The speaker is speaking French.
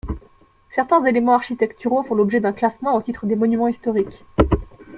Certains éléments architecturaux font l'objet d'un classement au titre des monuments historiques.